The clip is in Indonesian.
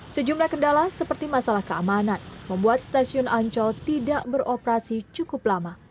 sejumlah kendala seperti masalah keamanan membuat stasiun ancol tidak beroperasi cukup lama